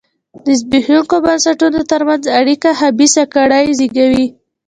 د زبېښونکو بنسټونو ترمنځ اړیکه خبیثه کړۍ زېږوي.